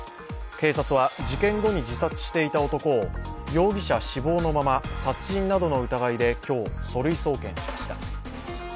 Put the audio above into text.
警察は事件後に自殺していた男を容疑者死亡のまま殺人などの疑いで今日、書類送検しました。